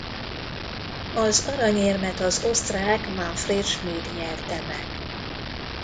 Az aranyérmet az osztrák Manfred Schmid nyerte meg.